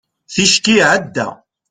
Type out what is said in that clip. ticki iɛedda